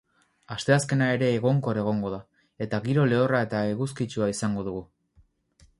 Asteazkena ere egonkor egongo da, eta giro lehorra eta eguzkitsua izango dugu.